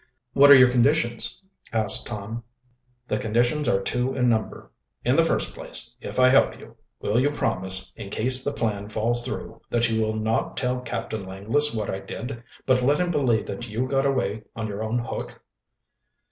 "What are your conditions?" asked Tom. "The conditions are two in number. In the first place, if I help you, will you promise, in case the plan falls through, that you will not tell Captain Langless what I did, but let him believe that you got away on your own hook?"